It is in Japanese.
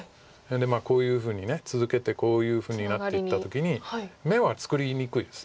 こういうふうに続けてこういうふうになっていった時に眼は作りにくいです。